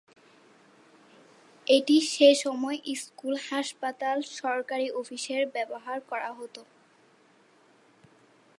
এটি সেসময় স্কুল, হাসপাতাল, সরকারি অফিসে ব্যবহার করা হতো।